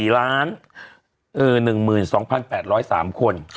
๔ล้าน๑๒๘๐๓คน